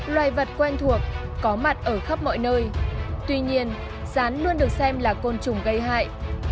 loài vật quen thuộc có mặt ở khắp mọi nơi tuy nhiên rán luôn được xem là côn trùng gây hại